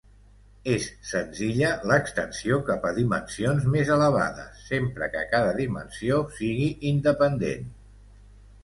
És senzilla l'extensió cap a dimensions més elevades, sempre que cada dimensió sigui independent.